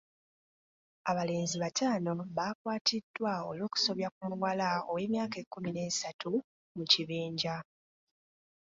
Abalenzi bataano baakwatiddwa olw'okusobya ku muwala ow'emyaka ekkumi n'esatu mu kibinja.